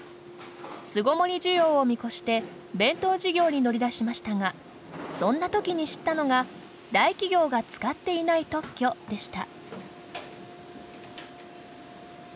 巣ごもり需要を見越して弁当事業に乗り出しましたがそんな時に知ったのが大企業が使っていない特許でした。